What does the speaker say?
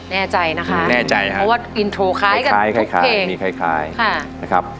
แน่ใจนะคะแน่ใจค่ะเพราะว่าคล้ายคล้ายมีคล้ายคล้ายค่ะนะครับ